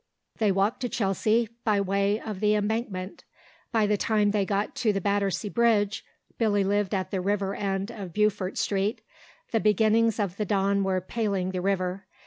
They walked to Chelsea by way of the Embankment. By the time they got to Battersea Bridge (Billy lived at the river end of Beaufort Street) the beginnings of the dawn were paling the river.